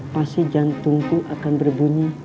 pasti jantungku akan berbunyi